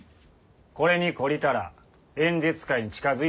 これに懲りたら演説会に近づいたらいかん。